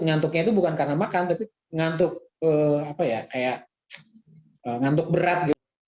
ngantuknya itu bukan karena makan tapi ngantuk berat